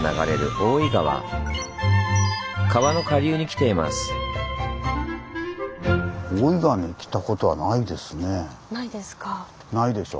大井川に来たことはないですね。